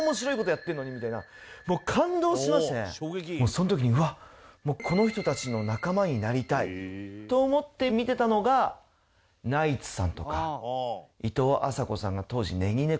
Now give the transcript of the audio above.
その時にうわっもうこの人たちの仲間になりたいと思って見てたのがナイツさんとかいとうあさこさんが当時ネギねこ調査隊っていう。